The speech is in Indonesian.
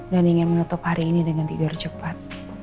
dan ingin menutup hari ini dengan tiga hari cepat